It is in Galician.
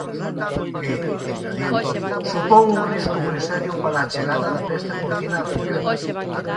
Que, engadiu, supón un risco moi serio para a chegada da peste porcina africana.